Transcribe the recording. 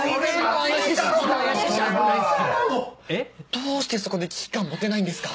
どうしてそこで危機感持てないんですか？